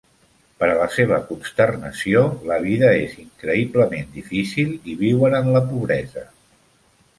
Per a la seva consternació, la vida és increïblement difícil i viuen en la pobresa.